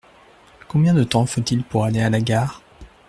Combien de temps faut-il pour aller à la gare ?